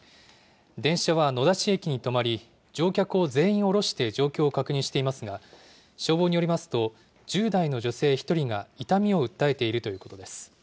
電車は野田市駅に止まり、乗客を全員降ろして状況を確認していますが、消防によりますと、１０代の女性１人が痛みを訴えているということです。